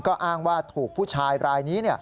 ก็อ้างว่าถูกผู้ชายรายนี้